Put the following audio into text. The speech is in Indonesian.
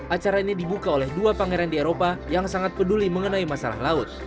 acara ini dibuka oleh dua pangeran di eropa yang sangat peduli mengenai masalah laut